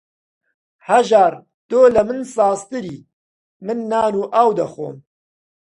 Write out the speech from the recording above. هەژار تۆ لە من سازتری، من نان و ئاو دەخۆم